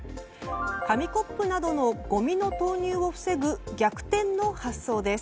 紙コップなどのごみの投入を防ぐ逆転の発想です。